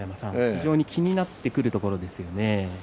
非常に気になってくるところですね。